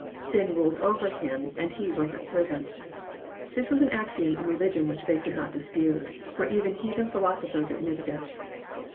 Sin ruled over him, and he was its servant. This was an axiom in religion which they could not dispute, for even heathen philosophers admitted it.